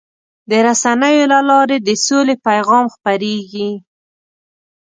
د رسنیو له لارې د سولې پیغام خپرېږي.